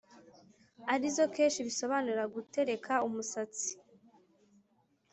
ari zo kesh, bisobanura gutereka umusatsi